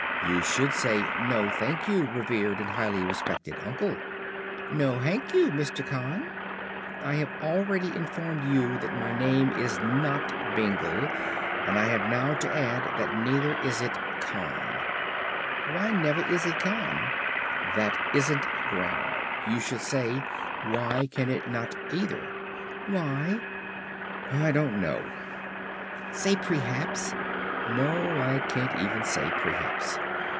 "You should say, 'No thank you, revered and highly respected Uncle.'" "No hank you, Mr. Cann." "I have already informed you that my name is not Bingle and I have now to add that neither is it Cann." "Why neiver is it Cann?" "That isn't grammar. You should say, 'Why can it not either?'" "Why?" "I don't know." "Say prehaps." "No, I can't even say prehaps."